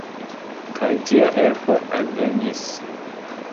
Kaj tia helpo alvenis.